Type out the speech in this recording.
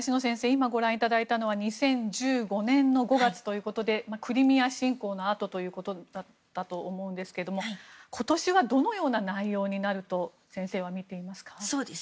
今、ご覧いただいたのは２０１５年の５月ということでクリミア侵攻のあとだったと思うんですけれども今年は、どのような内容になると先生は見ていますか？